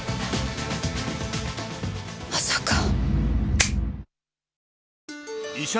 まさか。